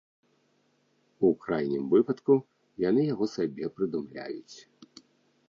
У крайнім выпадку, яны яго сабе прыдумляюць.